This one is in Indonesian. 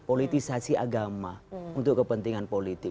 politisasi agama untuk kepentingan politik